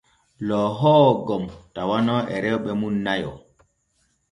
Loohoowo gom tawano e rewɓe mum nayo.